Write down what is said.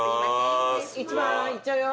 １番いっちゃうよ。